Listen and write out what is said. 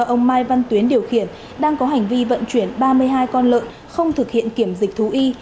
xe ô tô do ông mai văn tuyến điều khiển đang có hành vi vận chuyển ba mươi hai con lợn không thực hiện kiểm dịch thú y